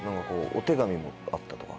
お手紙もあったとか。